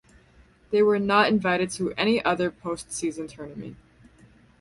They were not invited to any other postseason tournament.